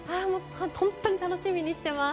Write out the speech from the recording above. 本当に楽しみにしてます。